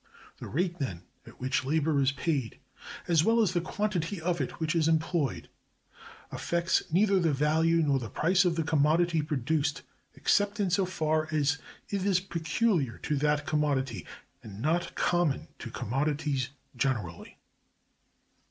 The rate, then, at which labor is paid, as well as the quantity of it which is employed, affects neither the value nor the price of the commodity produced, except in so far as it is peculiar to that commodity, and not common to commodities generally.